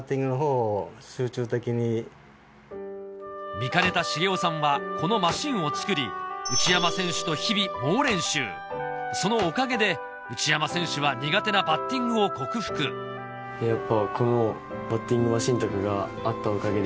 見かねた重夫さんはこのマシンを作り内山選手と日々猛練習そのおかげで内山選手は苦手なバッティングを克服やっぱこの。